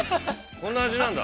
こんな味なんだ。